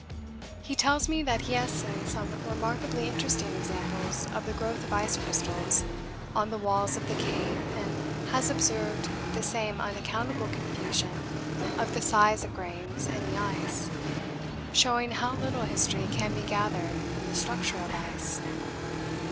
He tells me that he has seen some remarkably interesting examples of the growth of ice crystals on the walls of the cave and has observed the same unaccountable confusion of the size of grains in the ice, showing how little history can be gathered from the structure of ice.